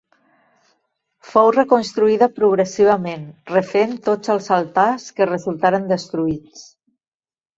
Fou reconstruïda progressivament, refent tots els altars que resultaren destruïts.